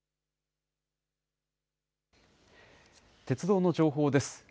鉄道の情報です。